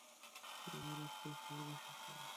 আমার একটা ফোন এসেছে।